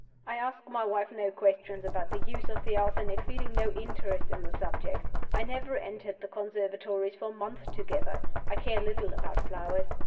"I asked my wife no questions about the use of the arsenic, feeling no interest in the subject. I never entered the conservatories for months together; I care little about flowers.